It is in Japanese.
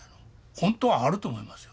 ホントはあると思いますよ